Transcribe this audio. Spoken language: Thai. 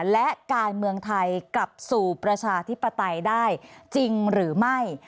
และการเมืองไทยกลับสู่ประชาธิปไตยได้จริงหรือไม่